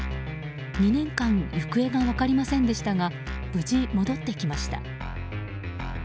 ２年間行方が分かりませんでしたが無事、戻ってきました。